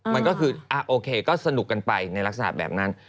มันก็คือโอเคก็สนุกกันไปในลักษณะแบบนั้น